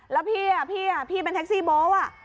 แล้วพี่เป็นแท็กซี่โบ๊ต